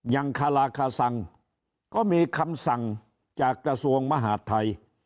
อย่างคลาคาสังก็มีคำสั่งจากกระทรวงมหาธัย